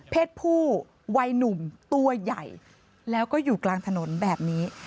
ผู้วัยหนุ่มตัวใหญ่แล้วก็อยู่กลางถนนแบบนี้